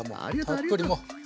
たっぷりもう。